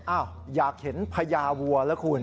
อ้าวอยากเห็นพญาวัวล่ะคุณ